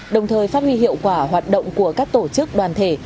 đồng thời phát huy hiệu quả hoạt động của các tổ chức đoàn thể